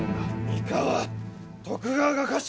三河徳川が家臣！